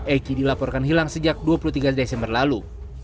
eki dilaporkan hilang sejak dua puluh tiga desember lalu